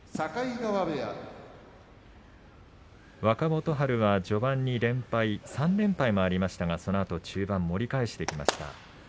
若元春は序盤に連敗３連敗がありましたが、そのあと中盤盛り返してきました。